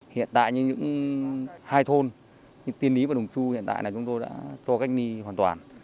hiện tại những hai thôn tiên lý và đồng chu hiện tại chúng tôi đã cho cách ly hoàn toàn